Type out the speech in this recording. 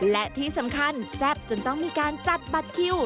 และที่สำคัญแซ่บจนต้องมีการจัดบัตรคิว